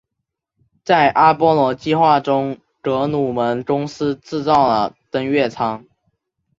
在阿波罗计划中格鲁门公司制造了登月舱。